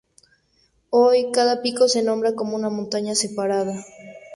Hoy, cada pico se nombra como una montaña separada.